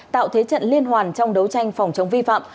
tạo thế trận liên hoàn trong đấu tranh phòng chống vi phạm